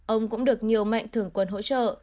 ông cũng được nhiều mạnh thường quân hỗ trợ